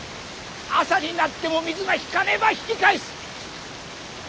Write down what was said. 朝になっても水が引かねば引き返す。